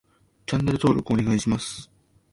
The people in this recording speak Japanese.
チャンネル登録お願いします